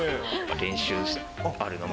練習あるのみ？